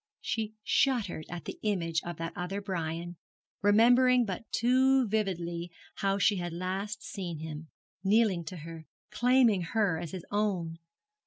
She shuddered at the image of that other Brian, remembering but too vividly how she had last seen him, kneeling to her, claiming her as his own.